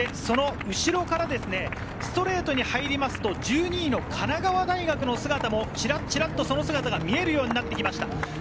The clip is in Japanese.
その後ろからストレートに入ると１２位の神奈川大学の姿もチラチラっと見えるようになってきました。